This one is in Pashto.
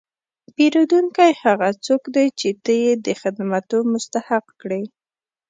پیرودونکی هغه څوک دی چې ته یې د خدمتو مستحق کړې.